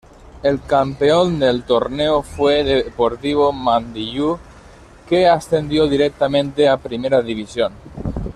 El campeón del torneo fue Deportivo Mandiyú, que ascendió directamente a Primera División.